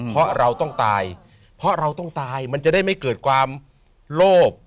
เพราะเราต้องตายเพราะเราต้องตายมันจะได้ไม่เกิดความโลภ